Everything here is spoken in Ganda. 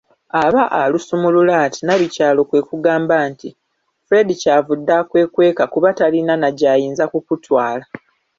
Aba alusumulula ati, Nabikyalo kwe kumugamba nti: “Fred ky’avudde akwekweka kuba talina na gy’ayinza kukutwala! ”